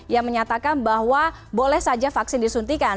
yang menyatakan bahwa boleh saja vaksin disuntikan